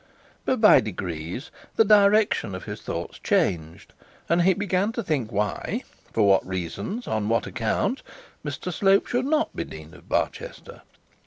But by degrees the direction of his thoughts changed, and he began to think why, for what reasons, on what account, Mr Slope should not be dean of Barchester.